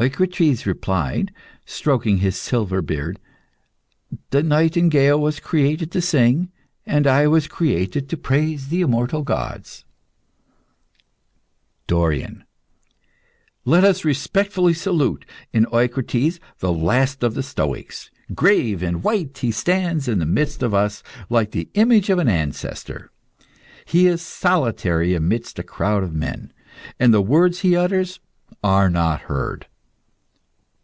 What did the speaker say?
Eucrites replied, stroking his silver beard "The nightingale was created to sing, and I was created to praise the immortal gods." DORION. Let us respectfully salute, in Eucrites, the last of the stoics. Grave and white, he stands in the midst of us like the image of an ancestor. He is solitary amidst a crowd of men, and the words he utters are not heard.